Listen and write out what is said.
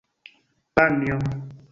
panjo